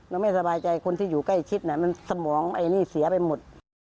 ไม่สบายใจคนที่อยู่ใกล้ชิดน่ะมันสมองไอ้นี่เสียไปหมด